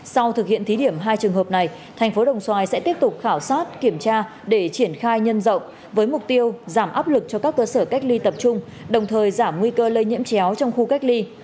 sau thực hiện thí điểm hai trường hợp này thành phố đồng xoài sẽ tiếp tục khảo sát kiểm tra để triển khai nhân rộng với mục tiêu giảm áp lực cho các cơ sở cách ly tập trung đồng thời giảm nguy cơ lây nhiễm chéo trong khu cách ly